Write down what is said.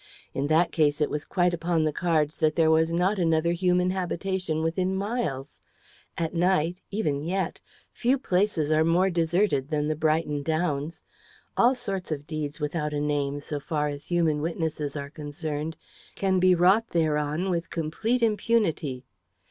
In that case it was quite upon the cards that there was not another human habitation within miles. At night even yet! few places are more deserted than the Brighton Downs. All sorts of deeds without a name, so far as human witnesses are concerned, can be wrought thereon with complete impunity.